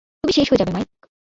তুমি শেষ হয়ে যাবে, মাইক।